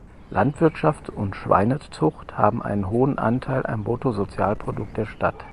Landwirtschaft und Schweinezucht haben einen hohen Anteil am Bruttosozialprodukt der Stadt.